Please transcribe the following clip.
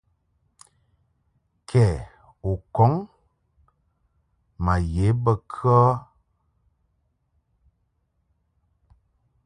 Ke u kɔŋ ma ye bə kə ?